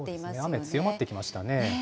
雨、強まってきましたね。